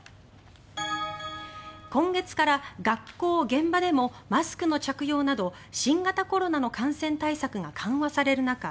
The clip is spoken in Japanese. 今月から学校現場でもマスクの着用など新型コロナの感染対策が緩和される中